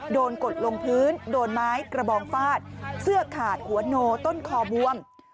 กดลงพื้นโดนไม้กระบองฟาดเสื้อขาดหัวโนต้นคอบวม